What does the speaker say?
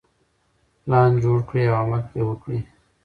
پلان جوړ کړئ او عمل پرې وکړئ.